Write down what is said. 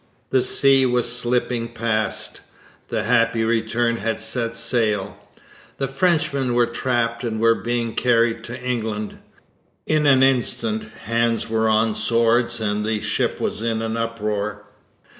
The sea was slipping past. The Happy Return had set sail. The Frenchmen were trapped and were being carried to England. In an instant, hands were on swords and the ship was in an uproar.